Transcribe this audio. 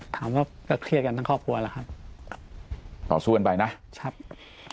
ถามว่าก็เครียดกันทั้งครอบครัวล่ะครับต่อสู้กันไปนะครับ